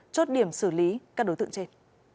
chốt điểm xử lý các đối tượng trên